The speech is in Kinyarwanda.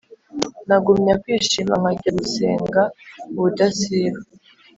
Nagumya kwishima nkajya ngusenga ubudasiba